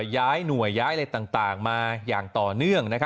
ย้ายหน่วยย้ายอะไรต่างมาอย่างต่อเนื่อง